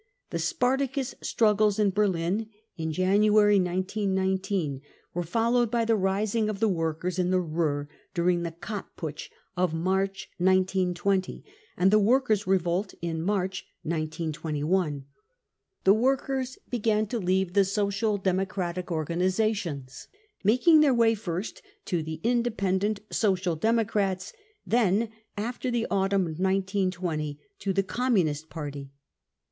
The Spartacus struggles in Berlin in January 1919 were followed ify the rising of the worker^ in the Ruhr during the Kapp Putsch of March 1920, and the workers 5 revolt in March 1921. The workers began to leave the Social Democratic organisa tions, making their way first to the Independent Social Democrats, then, after the autumn of 1920, to the Com munist Party.